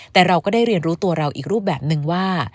แต่เราก็ได้เรียนรู้ตัวเราอีกรูปแบบนึงว่า